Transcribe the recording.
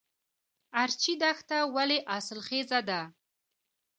ارچي دښته ولې حاصلخیزه ده؟